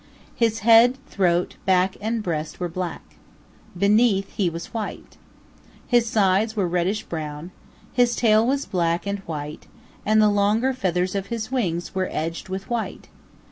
His head, throat, back and breast were black. Beneath he was white. His sides were reddish brown. His tail was black and white, and the longer feathers of his wings were edged with white.